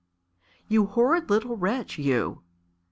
"You horrid little wretch, you!"